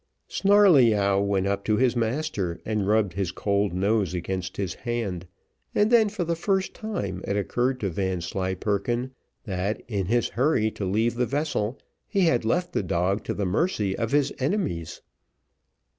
Snarleyyow went up to his master, and rubbed his cold nose against his hand, and then, for the first time, it occurred to Vanslyperken, that in his hurry to leave the vessel, he had left the dog to the mercy of his enemies.